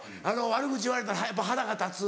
悪口言われたらやっぱ腹が立つ？